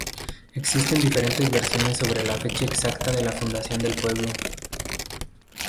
Existen diferentes versiones sobre la fecha exacta de la fundación del pueblo.